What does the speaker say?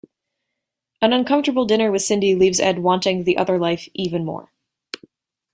An uncomfortable dinner with Cindy leaves Ed wanting the other life even more.